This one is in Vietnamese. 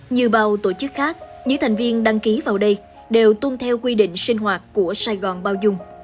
như bao tổ chức khác những thành viên đăng ký vào đây đều tuân theo quy định sinh hoạt của sài gòn bao dung